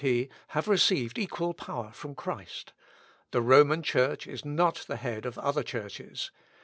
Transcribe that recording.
"All ecclesiastics," says he, "have received equal power from Christ. The Roman Church is not the head of other churches.